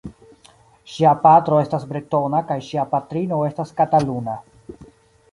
Ŝia patro estas bretona kaj ŝia patrino estas kataluna.